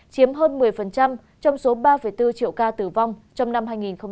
chiếm hơn một mươi trong số ba bốn triệu ca tử vong trong năm hai nghìn hai mươi